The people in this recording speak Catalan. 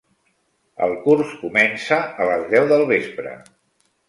El curs comença a les deu del vespre.